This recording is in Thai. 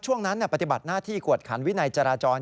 ช่วงนั้นปฏิบัติหน้าที่กวดขันวินัยจราจร